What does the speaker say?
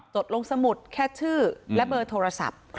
จดลงสมุดแค่ชื่อและเบอร์โทรศัพท์